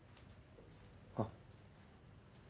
あっ。